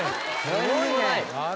すごいね！